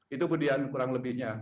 itu budian kurang lebihnya